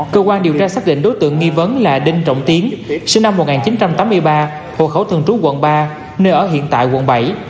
cơ quan điều tra xác định đối tượng nghi vấn là đinh trọng tiến sinh năm một nghìn chín trăm tám mươi ba hộ khẩu thường trú quận ba nơi ở hiện tại quận bảy